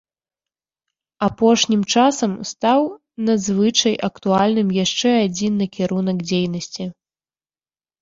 Апошнім часам стаў надзвычай актуальным яшчэ адзін накірунак дзейнасці.